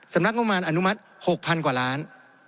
สำนักงบประมาณอนุมัติ๖๐๐๐กว่าล้าน